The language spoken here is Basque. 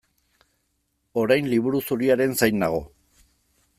Orain Liburu Zuriaren zain nago.